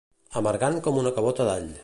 Amargant com una cabota d'all.